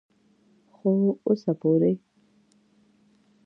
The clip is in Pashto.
خو اوسه پورې